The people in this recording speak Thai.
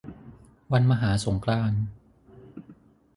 วันมหาสงกรานต์